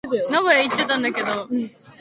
One of Harbin's beers is a wheat beer.